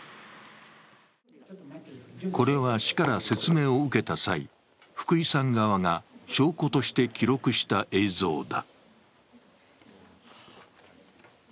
これは市から説明を受けた際、福井さん側が証拠として記録した映像だ。